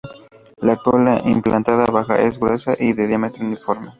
La cola, implantada baja, es gruesa y de diámetro uniforme.